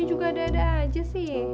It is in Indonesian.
udah ada aja sih